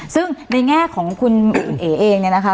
ซึ่งในแง่ของคุณเอ๋เองเนี่ยนะคะ